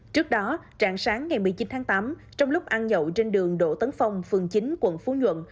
trước đó trạng sáng ngày một mươi chín tháng tám trong lúc ăn nhậu trên đường đỗ tấn phong phường chín quận phú nhuận